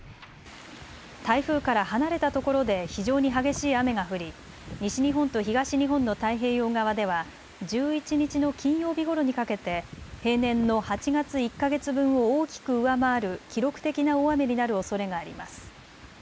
台風から離れた所で非常に激しい雨が降り西日本と東日本の太平洋側では１１日の金曜日ごろにかけて平年の８月１か月分を大きく上回る記録的な大雨になるおそれがあります。